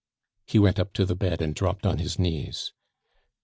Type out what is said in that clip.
He went up to the bed and dropped on his knees.